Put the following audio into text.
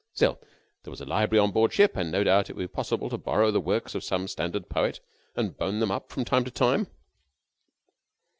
Still there was a library on board ship and no doubt it would be possible to borrow the works of some standard poet and bone them up from time to time.